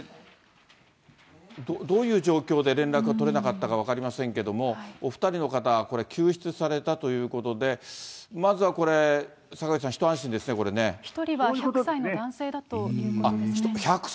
どういう状況で連絡が取れなかったのか分かりませんけども、お２人の方、救出されたということで、まずはこれ、１人は１００歳の男性だということです。